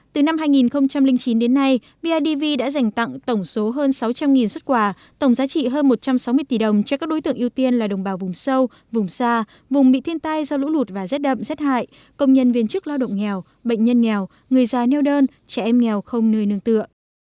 từ năm hai nghìn chín đến nay bidv đã dành tặng tổng số hơn sáu trăm linh xuất quà tổng giá trị hơn một trăm sáu mươi tỷ đồng cho các đối tượng ưu tiên là đồng bào vùng sâu vùng xa vùng bị thiên tai do lũ lụt và rét đậm rét hại công nhân viên chức lao động nghèo bệnh nhân nghèo người già neo đơn trẻ em nghèo không nơi nương tựa